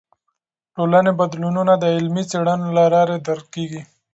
ټولنې بدلونونه د علمي څیړنو له لارې درک کیږي.